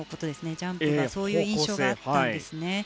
ジャンプがそういう印象があったんですね。